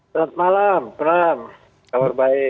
selamat malam selamat malam kabar baik